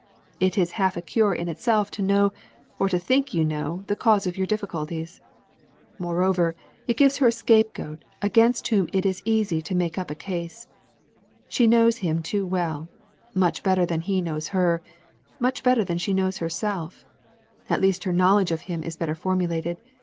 It is half a cure in itself to know or to think you know the cause of your difficulties. Moreover, it gives her a scapegoat against whom it is easy to make up a case. She knows him too well, much better than he knows her, much better than she knows herself; at least her knowledge of him is better formulated.